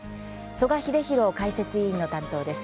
曽我英弘解説委員の担当です。